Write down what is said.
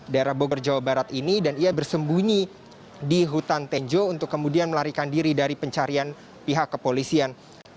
daerah bogor jawa barat ini dan ia bersembunyi di hutan tenjo untuk kemudian melarikan diri dari pencarian pihak kepolisian